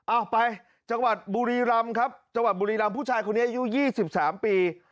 เอาไปจังหวัดบุรีรำครับจังหวัดบุรีรำผู้ชายคนนี้อายุ๒๓ปี